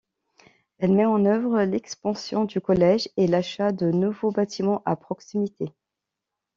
Elle met en œuvre l'expansion du collège et l'achat de nouveaux bâtiments à proximité.